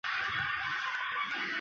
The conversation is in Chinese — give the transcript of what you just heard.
比我们强大